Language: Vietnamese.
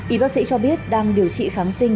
y bác sĩ cho biết đang điều trị kháng sinh